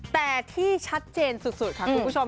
แต่ที่ชัดเจนสุดค่ะคุณผู้ชม